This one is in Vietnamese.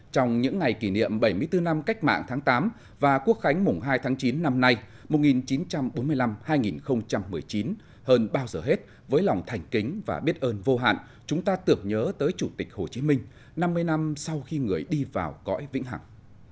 trong những ngày kỷ niệm bảy mươi bốn năm cách mạng tháng tám và quốc khánh mùng hai tháng chín năm nay một nghìn chín trăm bốn mươi năm hai nghìn một mươi chín hơn bao giờ hết với lòng thành kính và biết ơn vô hạn chúng ta tưởng nhớ tới chủ tịch hồ chí minh năm mươi năm sau khi người đi vào cõi vĩnh hằng